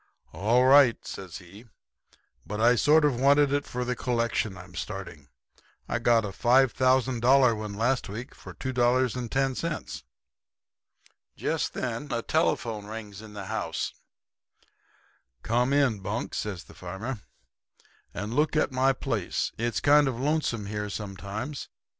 "'All right,' says he. 'But I sort of wanted it for the collection I'm starting. I got a $5,000 one last week for $2.10.' "Just then a telephone bell rings in the house. "'Come in, Bunk,' says the farmer, 'and look at my place. It's kind of lonesome here sometimes.